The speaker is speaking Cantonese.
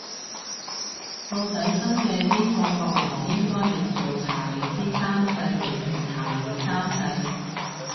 到底新嘅英國國王應該譯做查理斯三世定係查理三世